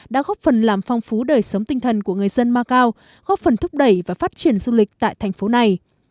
đã góp phần làm phong phú đời sống tinh thần của người dân macau góp phần thúc đẩy và phát triển du lịch tại thành phố này